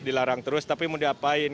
dilarang terus tapi mau diapain